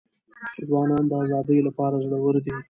ځوانان د ازادۍ لپاره زړه ور دي.